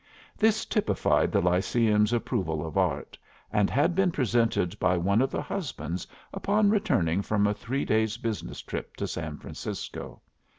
This typified the Lyceum's approval of Art, and had been presented by one of the husbands upon returning from a three days' business trip to San Francisco.